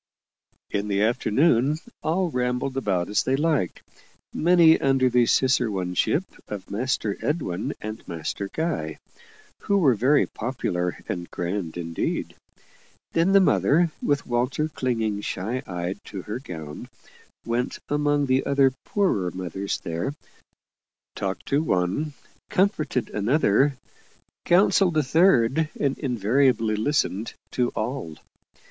In the afternoon, all rambled about as they liked many under the ciceroneship of Master Edwin and Master Guy, who were very popular and grand indeed. Then the mother, with Walter clinging shy eyed to her gown, went among the other poorer mothers there; talked to one, comforted another, counselled a third, and invariably listened to all.